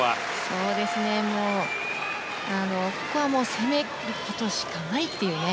そうですね、ここはもう攻めることしかないっていうね。